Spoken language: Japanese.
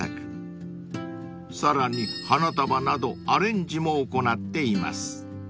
［さらに花束などアレンジも行っています］